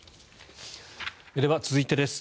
では続いてです。